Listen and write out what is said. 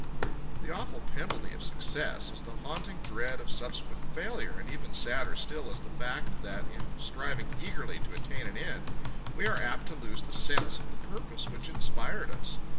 The awful penalty of success is the haunting dread of subsequent failure, and even sadder still is the fact that in striving eagerly to attain an end, we are apt to lose the sense of the purpose which inspired us.